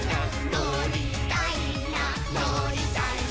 「のりたいなのりたいな」